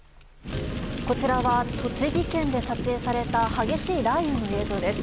こちらは栃木県で撮影された激しい雷雨の映像です。